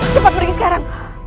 cepat pergi sekarang